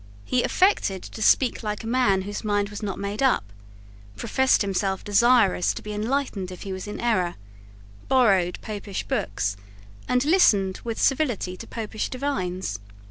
He affected to speak like a man whose mind was not made up, professed himself desirous to be enlightened if he was in error, borrowed Popish books, and listened with civility to Popish divines.